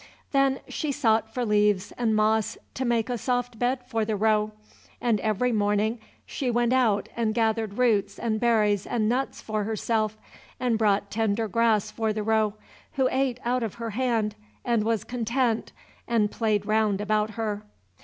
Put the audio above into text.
Then she sought for leaves and moss to make a soft bed for the roe; and every morning she went out and gathered roots and berries and nuts for herself, and brought tender grass for the roe, who ate out of her hand, and was content and played round about her.